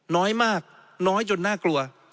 น้อยมากน้อยจนน่ากลัว